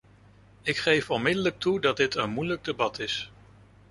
Ik geef onmiddellijk toe dat dit een moeilijk debat is.